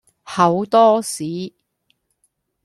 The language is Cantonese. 厚多士